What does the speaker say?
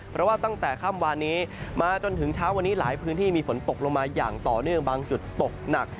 เพราะว่าตั้งแต่ค่ำวานนี้มาจนถึงเช้าวันนี้หลายพื้นที่มีฝนตกลงมาอย่างต่อเนื่องบางจุดตกหนัก